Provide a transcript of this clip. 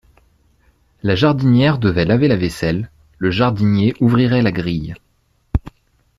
La jardinière devait laver la vaisselle, le jardinier ouvrirait la grille.